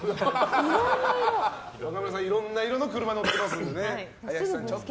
若村さんはいろんな色の車乗ってますのでね。